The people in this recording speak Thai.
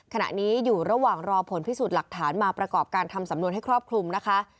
ขณะนี้อยู่ระหว่างรอผลพิสูจน์หลักฐานมาประกอบการทำสำนวนให้ครอบคลุมนะคะ